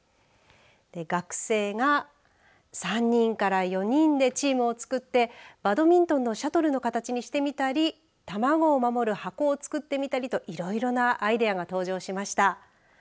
学生が３人から４人でチームをつくってバドミントンのシャトルの形にしてみたり卵を守る箱を作ってみたりといろいろなアイデアが登場しました。